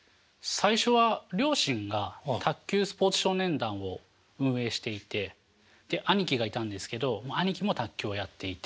最初は両親が卓球スポーツ少年団を運営していてで兄貴がいたんですけどもう兄貴も卓球をやっていて。